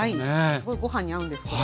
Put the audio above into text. すごいご飯に合うんですこれ。